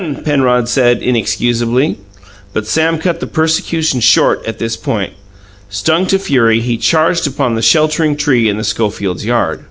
Penrod began inexcusably. But Sam cut the persecutions short at this point. Stung to fury, he charged upon the sheltering tree in the Schofields' yard.